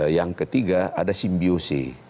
yang ketiga ada simbiosi